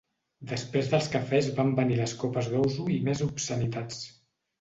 Després dels cafès van venir les copes d'ouzo i més obscenitats.